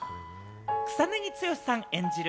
草なぎ剛さん演じる